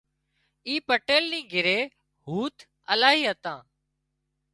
اي پٽيل نِي گھري هوٿ الاهي هتان